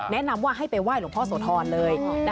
แนะนำว่าให้ไปไหว้หลวงพ่อโสธรเลย